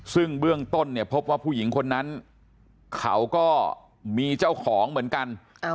ซึ่งเบื้องต้นเนี่ยพบว่าผู้หญิงคนนั้นเขาก็มีเจ้าของเหมือนกัน